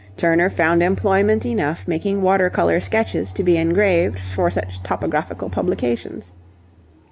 Turner found employment enough making water colour sketches to be engraved for such topographical publications.